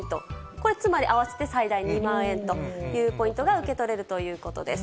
これつまり、合わせて最大２万円というポイントが受け取れるということです。